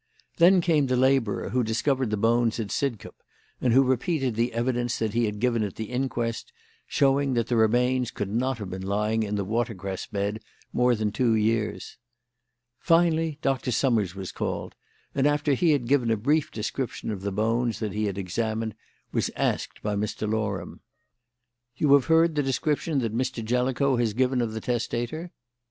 Then came the labourer who discovered the bones at Sidcup, and who repeated the evidence that he had given at the inquest, showing that the remains could not have been lying in the watercress bed more than two years. Finally Dr. Summers was called, and, after he had given a brief description of the bones that he had examined, was asked by Mr. Loram: "You have heard the description that Mr. Jellicoe has given of the testator?"